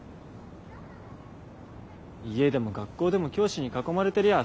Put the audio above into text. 家でも学校でも教師に囲まれてりゃ